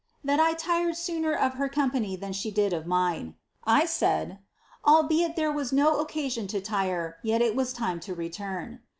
171 'Alt I tired sooner of her company than she did of mine ;' I said, ^ Al beit there was no occasion to tire, yet it was time to return.'